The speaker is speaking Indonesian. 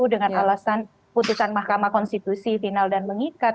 dengan alasan putusan mahkamah konstitusi final dan mengikat